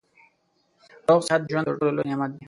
روغ صحت د ژوند تر ټولو لوی نعمت دی